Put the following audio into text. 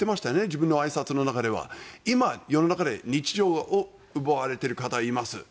自分のあいさつの中で今、世の中で日常を奪われている方がいます。